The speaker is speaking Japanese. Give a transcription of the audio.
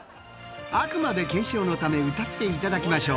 あくまで検証のため歌っていただきましょう。